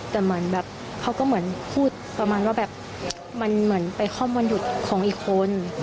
แต่เหมือนแบบเขาก็เหมือนพูดประมาณว่าแบบมันเหมือนไปคล่อมวันหยุดของอีกคน